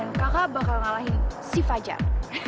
dan kakak bakal ngalahin si fajar